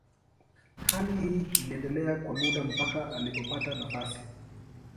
Hali hii iliendelea kwa muda mpaka alipopata nafasi.